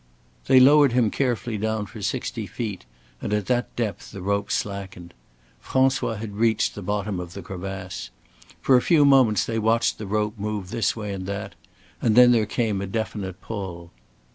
They lowered him carefully down for sixty feet, and at that depth the rope slackened. François had reached the bottom of the crevasse. For a few moments they watched the rope move this way and that, and then there came a definite pull.